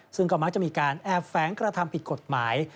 ซึ่งก็มักจะมีการแอบแฝงกระทำผิดกฎหมาย